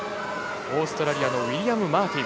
オーストラリアのウィリアム・マーティン。